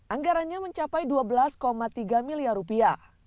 anggarannya mencapai dua belas tiga miliar rupiah